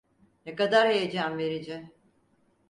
Ne kadar heyecan verici!